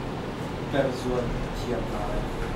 Perzuan a thiam ngai.